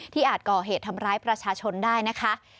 อาจก่อเหตุทำร้ายประชาชนได้นะคะ